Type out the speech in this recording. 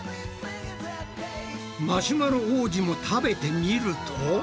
マシュマロ王子も食べてみると。